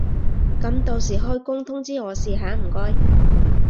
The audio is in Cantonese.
噉到時開工通知我試下唔該